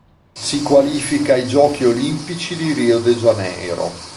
Si qualifica ai Giochi olimpici di Rio de Janeiro.